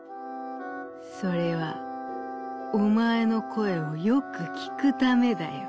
「それはおまえのこえをよくきくためだよ」。